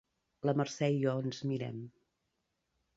La Mercè i jo ens mirem.